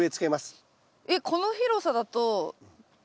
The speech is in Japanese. えっこの広さだと１０。